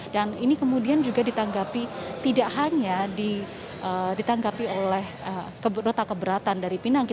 ini kemudian juga ditanggapi tidak hanya ditanggapi oleh nota keberatan dari pinangki